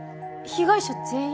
被害者全員？